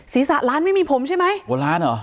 คนร้านไม่มีผมใช่ไหม